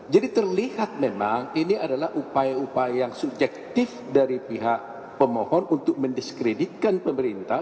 jadi terlihat memang ini adalah upaya upaya yang subjektif dari pihak pemohon untuk mendiskreditkan pemerintah